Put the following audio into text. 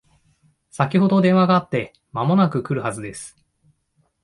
先ほど電話があって間もなく来るはずです